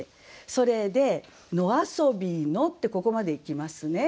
それで「野遊びの」ってここまでいきますね。